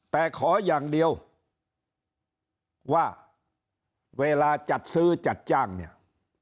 แต่ขออย่างเดียวว่าเวลาจัดซื้อจัดจ้างเนี่ย